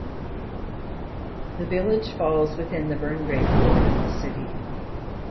The village falls within the Burngreave ward of the City.